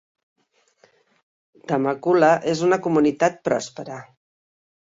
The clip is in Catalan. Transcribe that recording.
Temecula és una comunitat pròspera.